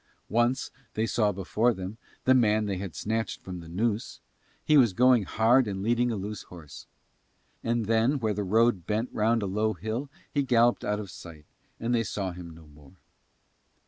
Once they saw before them the man they had snatched from the noose: he was going hard and leading a loose horse. And then where the road bent round a low hill he galloped out of sight and they saw him no more.